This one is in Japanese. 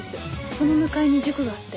その向かいに塾があって。